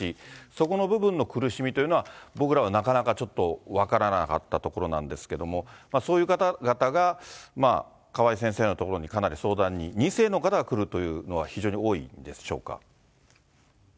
そこの部分の苦しみというのは、僕らはなかなかちょっと分からなかったところなんですけれども、そういう方々が川井先生のところにかなり相談に、二世の方が来るということが非常に多いんでしょうか。